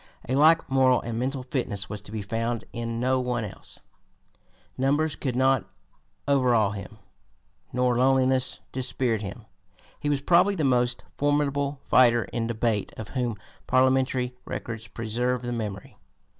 A like moral and mental fitness was to be found in no one else. Numbers could not overawe him, nor loneliness dispirit him. He was probably the most formidable fighter in debate of whom parliamentary records preserve the memory.